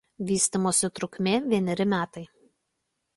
Vystymosi trukmė vieneri metai.